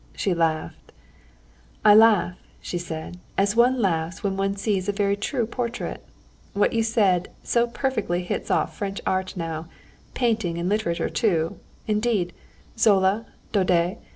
She laughed. "I laugh," she said, "as one laughs when one sees a very true portrait. What you said so perfectly hits off French art now, painting and literature too, indeed—Zola, Daudet.